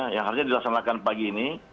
yang harusnya dilaksanakan pagi ini